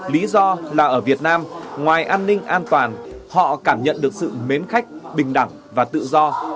lý do là ở việt nam ngoài an ninh an toàn họ cảm nhận được sự mến khách bình đẳng và tự do